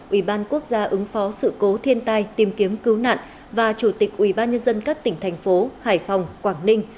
ủy ban quốc gia ứng phó sự cố thiên tai tìm kiếm cứu nạn và chủ tịch ủy ban nhân dân các tỉnh thành phố hải phòng quảng ninh